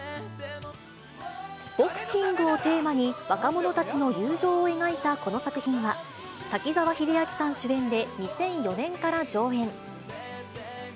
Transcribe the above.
ボクシングをテーマに、若者たちの友情を描いたこの作品は、滝沢秀明さん主演で２００４年から上演。